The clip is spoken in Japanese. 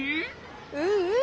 うんうん！